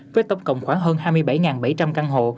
với tổng cộng khoảng hơn hai mươi bảy bảy trăm linh căn hộ